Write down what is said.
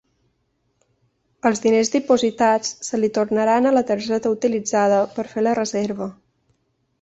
Els diners dipositats se li tornaran a la targeta utilitzada per fer la reserva.